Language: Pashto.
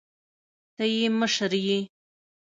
ته يې مشر يې.